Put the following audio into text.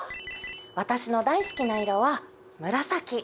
「私の大好きな色は紫」